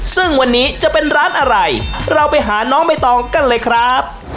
ซึ่งวันนี้จะเป็นร้านอะไรเราไปหาน้องใบตองกันเลยครับ